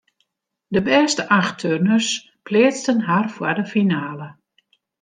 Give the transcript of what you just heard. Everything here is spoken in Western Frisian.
De bêste acht turners pleatsten har foar de finale.